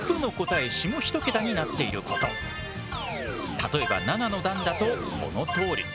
例えば７の段だとこのとおり。